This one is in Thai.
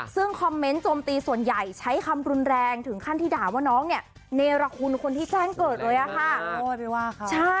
ซึ่งคอมเมนต์โจมตีส่วนใหญ่ใช้คำรุนแรงถึงขั้นที่ด่าว่าน้องเนี่ยเนรคุณคนที่แจ้งเกิดเลยอะค่ะ